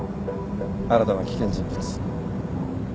新たな危険人物。